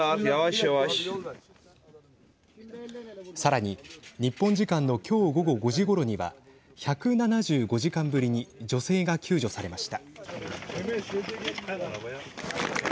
さらに日本時間の今日午後５時ごろには１７５時間ぶりに女性が救助されました。